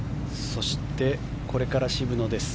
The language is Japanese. そして、これから渋野です。